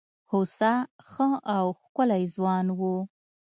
هوسا ښه او ښکلی ځوان وو.